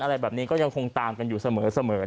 อะไรแบบนี้ก็ยังคงตามกันอยู่เสมอ